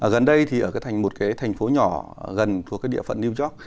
gần đây thì ở một cái thành phố nhỏ gần của cái địa phận new york